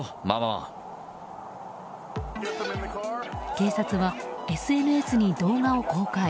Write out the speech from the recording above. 警察はＳＮＳに動画を公開。